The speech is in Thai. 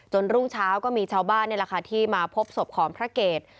รุ่งเช้าก็มีชาวบ้านนี่แหละค่ะที่มาพบศพของพระเกต